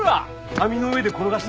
網の上で転がして。